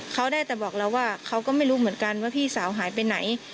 เขาได้แต่บอกเราว่าเขาก็ไม่รู้เหมือนกันว่าพี่สาวหายไปไหน